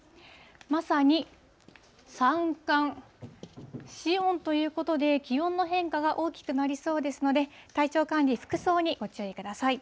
まさに三寒四温ということで、気温の変化が大きくなりそうですので、体調管理、服装にご注意ください。